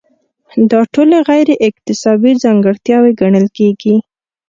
دا ټولې غیر اکتسابي ځانګړتیاوې ګڼل کیږي.